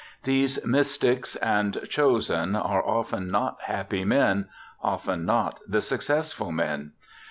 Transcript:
These 'mystics' and 'chosen' are often not happy men, often not the successful men.